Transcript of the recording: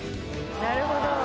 なるほど！